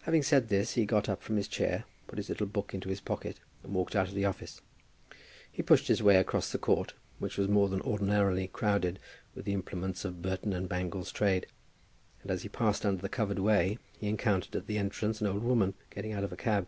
Having said this, he got up from his chair, put his little book into his pocket, and walked out of the office. He pushed his way across the court, which was more than ordinarily crowded with the implements of Burton and Bangles' trade, and as he passed under the covered way he encountered at the entrance an old woman getting out of a cab.